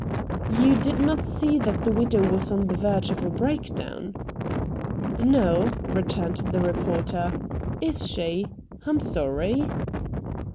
"You did not see that the widow was on the verge of a breakdown!" "No," returned the reporter. "Is she? I'm sorry."